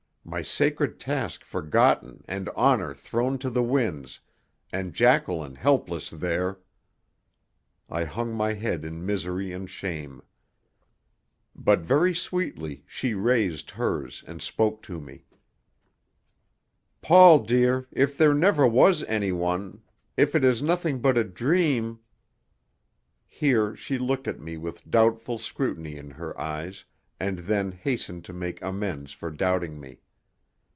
My sacred task forgotten and honour thrown to the winds, and Jacqueline helpless there! I hung my head in misery and shame. But very sweetly she raised hers and spoke to me. "Paul, dear, if there never was anyone if it is nothing but a dream " Here she looked at me with doubtful scrutiny in her eyes, and then hastened to make amends for doubting me.